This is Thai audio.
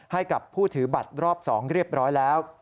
ให้กับผู้ถือบัตรรอบ๒เรียบร้อยแล้ว